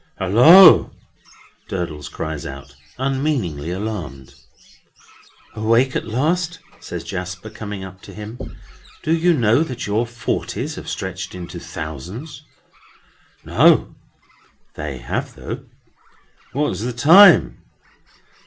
"Holloa!" Durdles cries out, unmeaningly alarmed. "Awake at last?" says Jasper, coming up to him. "Do you know that your forties have stretched into thousands?" "No." "They have though." "What's the time?"